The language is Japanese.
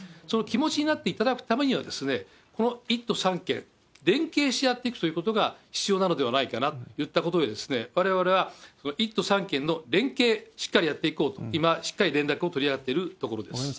その気持ちになっていただくためには、この１都３県、連携し合っていくということが必要なのではないかなといったことで、われわれは１都３県の連携、しっかりやっていこうと、今、しっかり連絡を取り合っているところです。